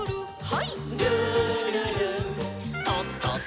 はい。